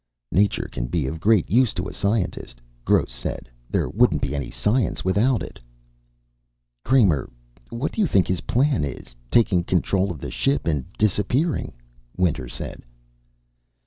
"Nature can be of great use to a scientist," Gross said. "There wouldn't be any science without it." "Kramer, what do you think his plan is, taking control of the ship and disappearing?" Winter said.